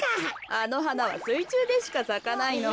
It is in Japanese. あのはなはすいちゅうでしかさかないの。